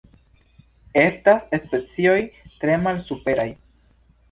Estas specioj tre malsuperaj.